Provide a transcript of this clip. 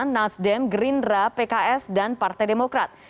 nasdem gerindra pks dan partai demokrat